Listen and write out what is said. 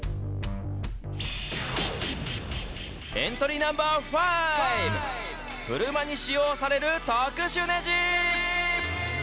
エントリーナンバー５、車に使用される特殊ねじ。